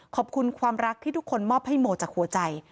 ขอบคุณความรักที่ทุกคนมอบให้โมจากหัวใจ